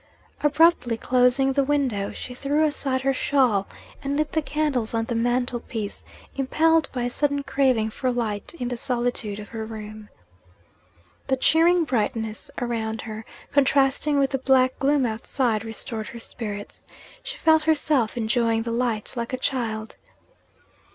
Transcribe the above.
Abruptly closing the window, she threw aside her shawl, and lit the candles on the mantelpiece, impelled by a sudden craving for light in the solitude of her room. The cheering brightness round her, contrasting with the black gloom outside, restored her spirits. She felt herself enjoying the light like a child!